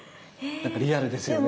なんかリアルですよね。